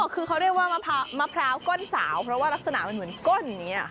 คือเขาเรียกว่ามะพร้าวก้นสาวเพราะลักษณะเหมือนก้น